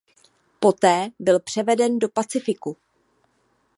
Poté byl převeden do Pacifiku.